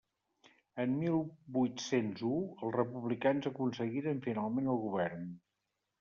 En mil vuit-cents u, els republicans aconseguiren finalment el govern.